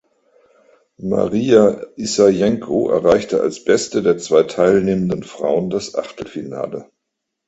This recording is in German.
Marija Issajenko erreichte als beste der zwei teilnehmenden Frauen das Achtelfinale.